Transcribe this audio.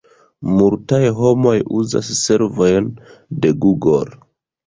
Multaj homoj uzas servojn de Google.